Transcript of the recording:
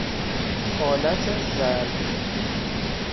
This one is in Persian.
آلت ضربی